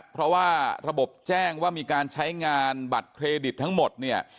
เพราะว่าระบบแจ้งว่ามีการใช้งานบัตรเครดิตทั้งหมดเนี่ย